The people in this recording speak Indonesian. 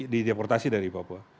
di deportasi dari papua